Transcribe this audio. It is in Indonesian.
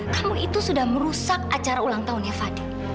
kamu itu sudah merusak acara ulang tahunnya fadli